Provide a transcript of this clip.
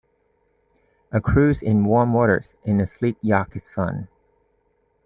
A cruise in warm waters in a sleek yacht is fun.